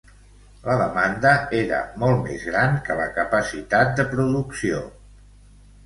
La demanda era molt més gran que la capacitat de producció.